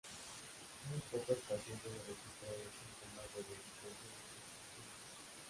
Muy pocos pacientes registraron síntomas de deficiencia de testosterona.